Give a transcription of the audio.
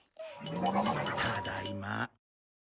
ただいま。